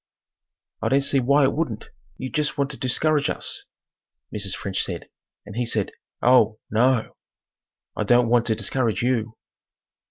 "I don't see why it wouldn't. You jest want to discourage us," Mrs. French said and he said, "Oh, no o! I don't want to discourage you."